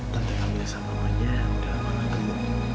tentang kamu menyesal sama mama ya udah lama gak tembak